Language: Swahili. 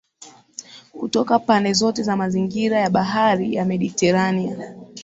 kutoka pande zote za mazingira ya Bahari ya Mediteranea